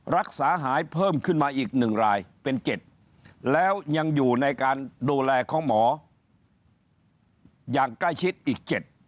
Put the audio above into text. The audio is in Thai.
รักษาหายเพิ่มขึ้นมาอีก๑รายเป็น๗แล้วยังอยู่ในการดูแลของหมออย่างใกล้ชิดอีก๗